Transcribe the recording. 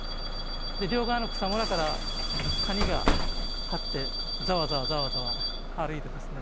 両側の草むらからカニがはってざわざわざわざわ歩いてですね。